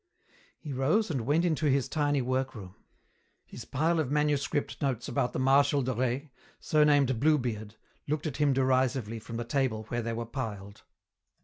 He rose and went into his tiny workroom. His pile of manuscript notes about the Marshal de Rais, surnamed Bluebeard, looked at him derisively from the table where they were piled.